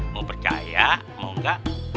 mau percaya mau enggak